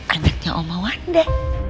anaknya om awanda